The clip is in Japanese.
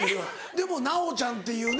でも奈緒ちゃんっていうね